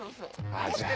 あっじゃあ。